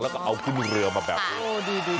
แล้วก็เอาคุณเรือมาแบบเดียว